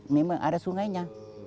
memang ada sungainya